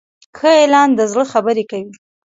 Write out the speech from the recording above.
ښه اعلان د زړه خبرې کوي.